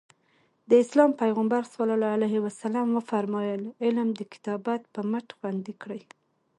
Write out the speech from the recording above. د اسلام پیغمبر ص وفرمایل علم د کتابت په مټ خوندي کړئ.